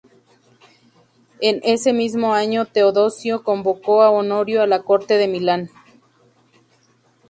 En ese mismo año Teodosio convocó a Honorio a la corte de Milán.